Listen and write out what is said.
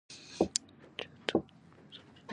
د چیستانونو ځوابول د هوښیارۍ نښه ده.